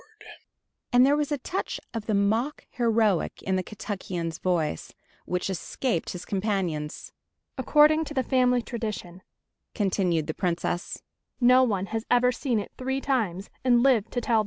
"Good Lord!" and there was a touch of the mock heroic in the Kentuckian's voice, which escaped his companions. "According to the family tradition," continued the Princess, "no one has ever seen it three times, and lived to tell the story."